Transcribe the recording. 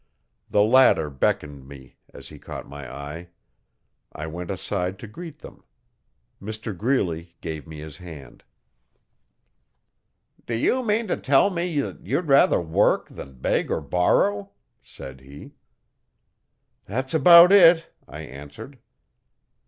The latter beckoned me as he caught my eye. I went aside to greet them. Mr Greeley gave me his hand. 'Do you mean to tell me that you'd rather work than beg or borrow?' said he. 'That's about it,' I answered.